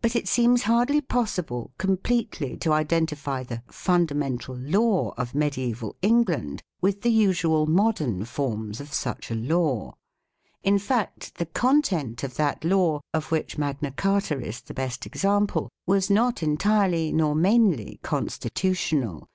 But it seems hardly possible completely to identify the "fundamental law" of mediaeval England with the usual modern forms of such a law. In fact the con tent of that law, of which Magna Carta is the best example, was not entirely nor mainly " constitutional